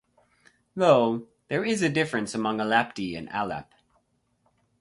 Though there is a difference among Alapti and Alap.